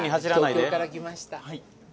東京から来ました